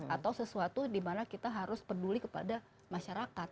atau sesuatu dimana kita harus peduli kepada masyarakat